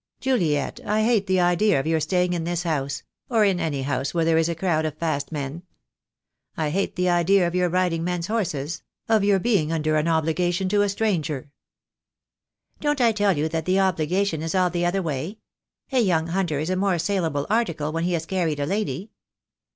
"Juliet, I hate the idea of your staying in this house — or in any house where there is a crowd of fast men. I hate the idea of your riding men's horses — of your be ing under an obligation to a stranger " "Don't I tell you that the obligation is all the other way. A young hunter is a more saleable article when he has carried a lady.